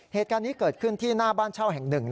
เหตุการณ์นี้เกิดขึ้นที่หน้าบ้านเช่าแห่งหนึ่ง